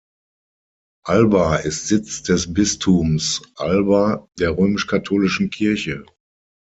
Alba ist Sitz des Bistums Alba der römisch-katholischen Kirche.